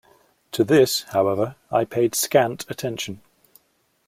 To this, however, I paid scant attention.